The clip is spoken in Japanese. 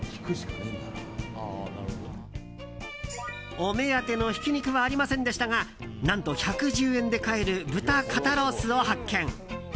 お目当てのひき肉はありませんでしたが何と、１１０円で買える豚肩ロースを発見。